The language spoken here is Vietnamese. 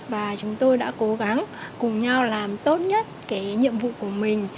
và chúng tôi đã cố gắng cùng nhau làm tốt nhất cái nhiệm vụ của mình